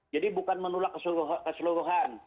jadi bukan menolak keseluruhan